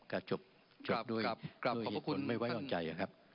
กลับจบด้วยคนไม่ไว้อ่อนใจครับ